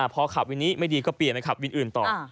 พอขับวินนี้ไม่ดีก็เปลี่ยนไปขับวินอื่นต่อ